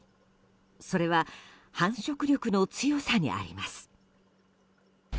それは繁殖力の強さにあります。